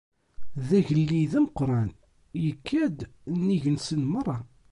D agellid ameqqran ikka-d nnig-sen merra.